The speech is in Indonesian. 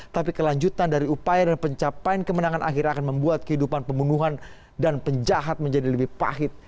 tapi kelanjutan dari upaya dan pencapaian kemenangan akhir akan membuat kehidupan pembunuhan dan penjahat menjadi lebih pahit